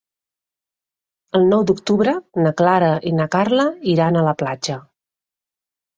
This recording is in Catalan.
El nou d'octubre na Clara i na Carla iran a la platja.